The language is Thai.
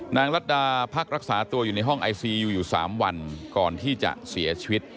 รัฐดาพักรักษาตัวอยู่ในห้องไอซียูอยู่อยู่๓วันก่อนที่จะเสียชีวิต